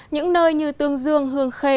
những nơi như tương dương hương khê